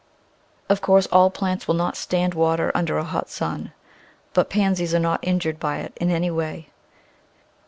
Of course all plants will not stand water under a hot sun, but Pansies are not injured by it in any way.